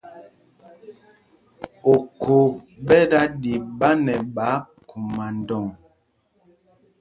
Okhô ɓɛ da ɗi ɓa nɛ ɓáákguma ndɔŋ.